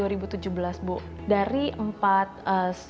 dari empat sub kategori apa yang anda lakukan untuk mencapai kepentingan